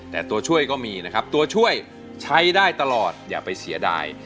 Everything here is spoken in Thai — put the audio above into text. แต่ตัวช่วยก็มีนะครับตัวช่วยใช้ได้ตลอดอย่าไปเสียดาย